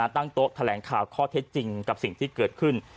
ตั้งโต๊ะแถลงข่าวข้อเท็จจริงกับสิ่งที่เกิดขึ้น